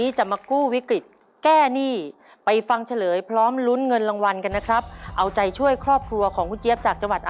ตอบถูกสองข้อรับหนึ่งหมื่นบาท